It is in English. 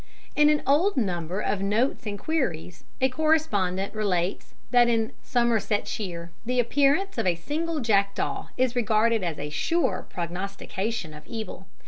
'" In an old number of Notes and Queries a correspondent relates that in Somersetshire the appearance of a single jackdaw is regarded as a sure prognostication of evil.